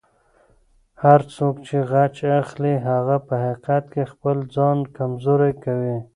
هر څوک چې غچ اخلي، هغه په حقیقت کې خپل ځان کمزوری کوي.